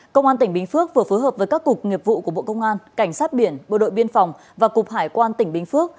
công an tỉnh bình phước vừa phối hợp với các cục nghiệp vụ của bộ công an cảnh sát biển bộ đội biên phòng và cục hải quan tỉnh bình phước